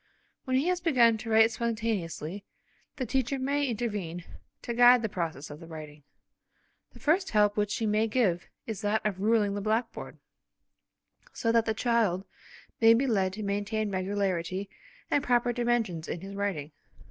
When he has begun to write spontaneously the teacher may intervene to guide the progress of the writing. The first help which she may give is that of ruling the blackboard, so that the child may be led to maintain regularity and proper dimensions in his writing.